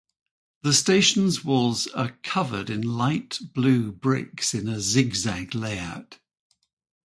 The station's walls are coved in light-blue bricks in a zig-zag layout.